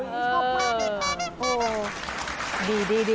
ชอบมาก